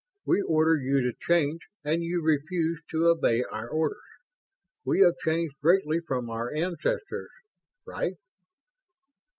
We order you to change and you refuse to obey our orders. We have changed greatly from our ancestors. Right?"